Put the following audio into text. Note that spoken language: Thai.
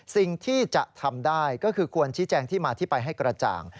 สิ่งที่จะทำได้ก็คือควรชี้แจงที่มาที่ไปให้กระจ่าง